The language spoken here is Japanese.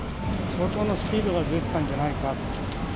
相当なスピードが出てたんじゃないか。